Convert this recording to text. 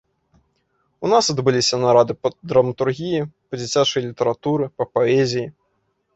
У нас адбыліся нарады па драматургіі, па дзіцячай літаратуры, па паэзіі.